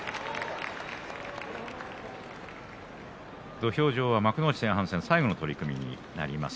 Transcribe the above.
土俵上は幕内前半戦最後の取組です。